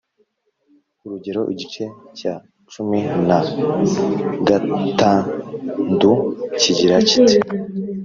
urugero, igice cya cumin a gatandu kigira kiti